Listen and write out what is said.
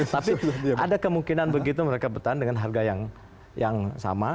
tapi ada kemungkinan begitu mereka bertahan dengan harga yang sama